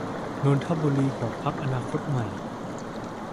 นนทบุรีของพรรคอนาคตใหม่